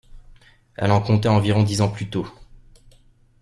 Elle en comptait environ dix ans plus tôt.